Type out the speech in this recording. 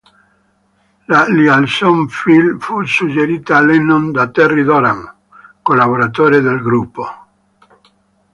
La liaison "fill" fu suggerita a Lennon da Terry Doran, collaboratore del gruppo.